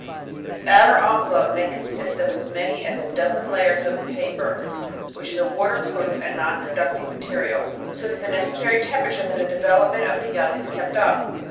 This outer envelope may consist of as many as a dozen layers of the paper, which is a water proof and non conducting material, so that the necessary tempera ture for the development of the young is kept up.